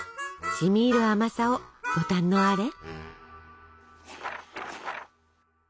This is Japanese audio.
しみいる甘さをご堪能あれ。